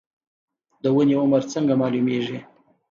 د ونې عمر څنګه معلومیږي؟